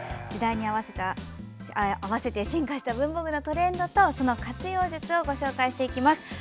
時代に合わせて進化した文房具のトレンドとその活用術をご紹介します。